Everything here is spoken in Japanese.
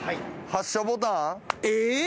発射ボタン？え！？